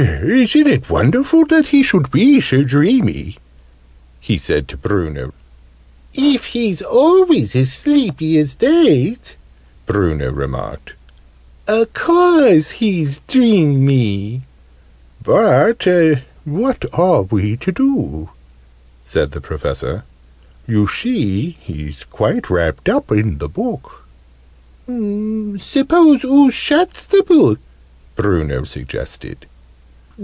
"Isn't it wonderful that he should be so dreamy?" he said to Bruno. "If he's always as sleepy as that," Bruno remarked, "a course he's dreamy!" "But what are we to do?" said the Professor. "You see he's quite wrapped up in the book!" "Suppose oo shuts the book?" Bruno suggested.